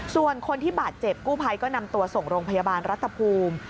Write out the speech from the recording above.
ส่วนคนที่บาดเจ็บกู้ภัยก็นำตัวส่งโรงพยาบาลรัฐภูมิ